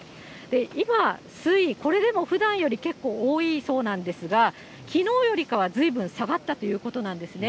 今、水位、これでもふだんより結構多いそうなんですが、きのうよりかはずいぶん下がったということなんですね。